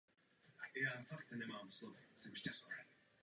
Tímto datem zanikl poslední organizovaný náboženský kult Slovanů.